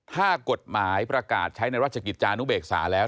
ถ้ากฎหมายประกาศใช้ในราชกิจจานุเบกษาแล้ว